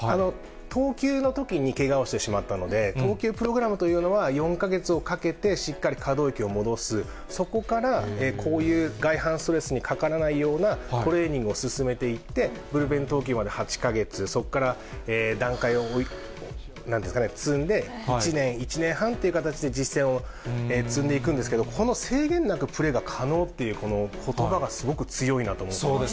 投球のときにけがをしてしまったので、投球プログラムというのは４か月をかけてしっかり可動域を戻す、そこからこういうがいはんストレスにかからないような、トレーニングを進めていって、ブルペン投球まで８か月、そこから段階を積んで１年、１年半という形で、実戦を積んでいくんですけど、この制限なくプレーが可能っていうこのことばがすごく強いなと思ってます。